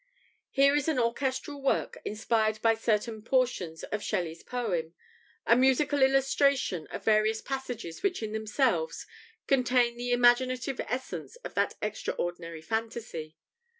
Here is an orchestral work inspired by certain portions of Shelley's poem a musical illustration of various passages which in themselves contain the imaginative essence of that extraordinary fantasy.